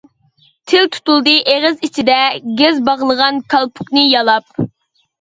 تىل تۇتۇلدى ئېغىز ئىچىدە، گەز باغلىغان كالپۇكنى يالاپ.